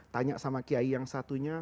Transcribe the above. tanya sama kiai yang satunya